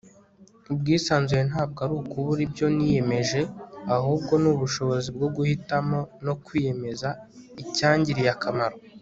ubwisanzure ntabwo ari ukubura ibyo niyemeje, ahubwo ni ubushobozi bwo guhitamo - no kwiyemeza - icyangiriye akamaro